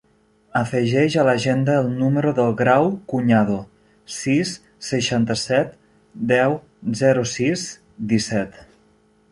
Afegeix a l'agenda el número del Grau Cuñado: sis, seixanta-set, deu, zero, sis, disset.